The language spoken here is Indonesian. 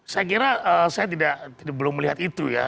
saya kira saya belum melihat itu ya